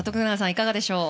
いかがでしょう。